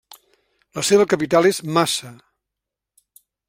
La seva capital és Massa.